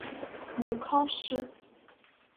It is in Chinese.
母康氏。